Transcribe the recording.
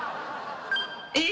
え！